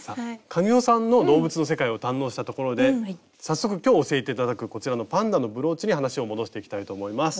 神尾さんの動物の世界を堪能したところで早速今日教えて頂くこちらのパンダのブローチに話を戻していきたいと思います。